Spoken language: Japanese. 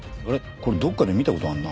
これどっかで見た事あるな。